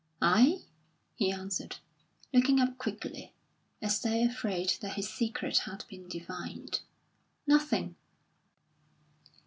"I?" he answered, looking up quickly, as though afraid that his secret had been divined. "Nothing!"